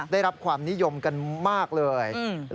ได้รับความนิยมกันมากเลย